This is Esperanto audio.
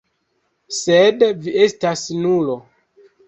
Sed vi estas nulo.